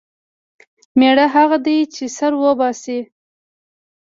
مېړه هغه دی چې سر وباسي.